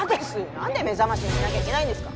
何で目覚ましにしなきゃいけないんですか。